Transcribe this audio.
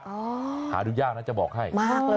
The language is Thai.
อ๋อมากเลยค่ะหาดูยากน่าจะบอกให้